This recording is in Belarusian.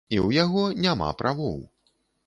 І ў яго няма правоў.